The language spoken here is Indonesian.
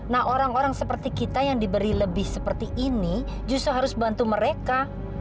nah orang orang seperti kita yang diberi lebih seperti ini justru harus bantu mereka